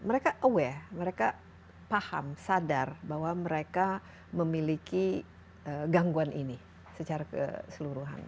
mereka aware mereka paham sadar bahwa mereka memiliki gangguan ini secara keseluruhan